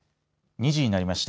２時になりました。